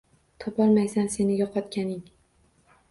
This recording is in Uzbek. Topolmaysan sen yuqotganing